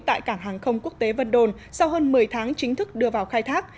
tại cảng hàng không quốc tế vân đồn sau hơn một mươi tháng chính thức đưa vào khai thác